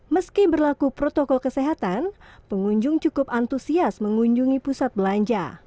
meski berlaku protokol kesehatan pengunjung cukup antusias mengunjungi pusat belanja